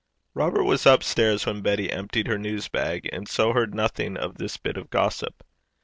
Robert was up stairs when Betty emptied her news bag, and so heard nothing of this bit of gossip.